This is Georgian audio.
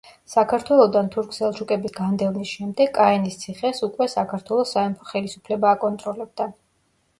საქართველოდან თურქ-სელჩუკების განდევნის შემდეგ კაენის ციხეს უკვე საქართველოს სამეფო ხელისუფლება აკონტროლებდა.